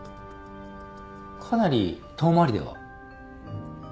かなり遠回りでは？